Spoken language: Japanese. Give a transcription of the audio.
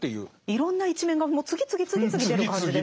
いろんな一面がもう次々次々出る感じでしたよね。